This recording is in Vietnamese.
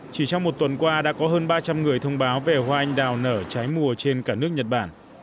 chỉ trong một tuần qua đã có hơn ba trăm linh người thông báo về hoa anh đào nở trái mùa trên cả nước nhật bản